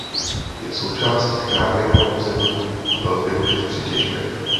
Je součástí chráněného území a byl využit při těžbě.